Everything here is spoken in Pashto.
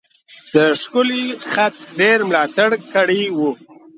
د ښکلی خط ډیر ملاتړ کړی و.